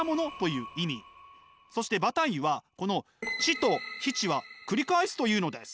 そしてバタイユはこの「知」と「非−知」はくり返すというのです。